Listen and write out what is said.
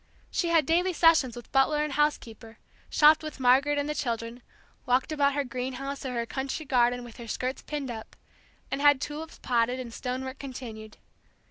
She had daily sessions with butler and house keeper, shopped with Margaret and the children, walked about her greenhouse or her country garden with her skirts pinned up, and had tulips potted and stone work continued.